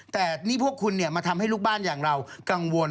แต่นี่พวกคุณมาทำให้ลูกบ้านอย่างเรากังวล